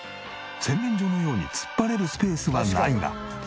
洗面所のように突っ張れるスペースはないが。